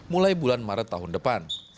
mulai bulan maret tahun depan